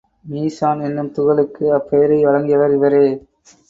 மீசான் என்னும் துகளுக்கு அப்பெயரை வழங்கியவர் இவரே.